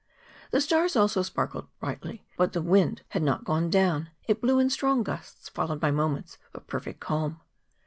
The stars also sparkled brightly, but the wind had not gone down: it blew in strong gusts, followed by moments of perfect calm.